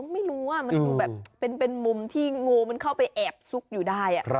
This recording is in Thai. ไม่รู้ว่ามันดูแบบเป็นมุมที่งูมันเข้าไปแอบซุกอยู่ได้